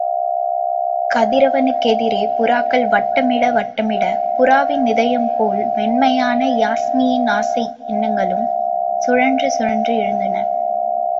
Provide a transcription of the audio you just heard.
கதிரவனுக்கெதிரே புறாக்கள் வட்டமிட வட்டமிட, புறாவின் இதயம் போல வெண்மையான யாஸ்மியின் ஆசை எண்ணங்களும், சுழன்று சுழன்று எழுந்தன.